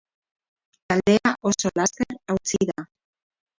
Taldea oso laster hautsi da.